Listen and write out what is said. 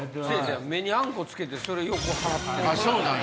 目にあんこつけてそれを払ってんねん。